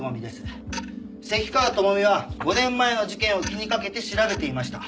関川朋美は５年前の事件を気にかけて調べていました。